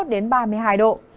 đến ba mươi hai độ